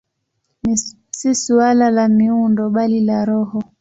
Si suala la miundo, bali la roho.